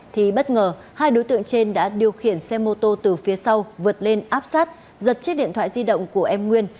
thì bất ngờ hai đối tượng trên đã điều khiển xe mô tô từ phía sau vượt lên áp sát giật chiếc điện thoại di động của em nguyên